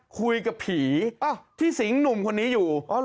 คุยกับผีอ้าวที่สิงห์หนุ่มคนนี้อยู่อ๋อเหรอ